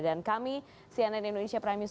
dan kami cnn indonesia prime news